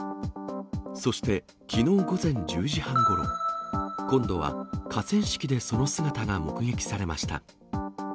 そして、きのう午前１０時半ごろ、今度は河川敷でその姿が目撃されました。